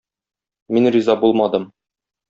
Мин риза булмадым.